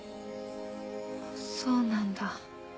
そうなんだ。